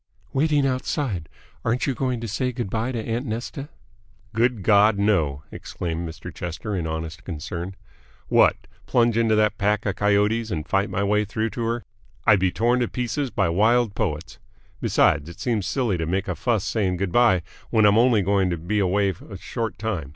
"Waiting outside. Aren't you going to say good bye to aunt Nesta?" "Good God, no!" exclaimed Mr. Chester in honest concern. "What! Plunge into that pack of coyotes and fight my way through to her! I'd be torn to pieces by wild poets. Besides, it seems silly to make a fuss saying good bye when I'm only going to be away a short time.